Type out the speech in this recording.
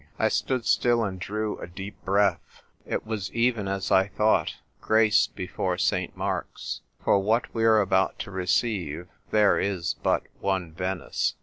I stood still and drew a deep breath. It was even as I thought. Grace before St. Mark's: " For what we are about to re ceive " There is but one Venice.